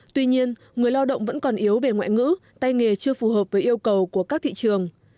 tuy nhiên người lao động vẫn còn yếu về ngoại ngữ tay nghề chưa phù hợp với yêu cầu của các thị trường